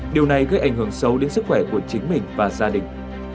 điều này gây ảnh hưởng xấu đến sức khỏe của chính mình và gia đình